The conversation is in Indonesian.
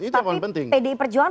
tapi pdi perjuangan